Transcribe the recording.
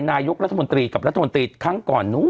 นายกรัฐมนตรีกับรัฐมนตรีครั้งก่อนนู้น